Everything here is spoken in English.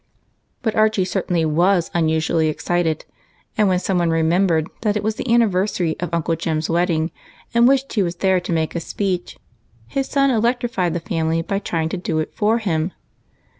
But Archie certainly vms unusually excited, and when some one remembered that it was the anniversary of Uncle Jem's wedding, and wished he was there to make a speech, his son electrified the family by trying to do it for him.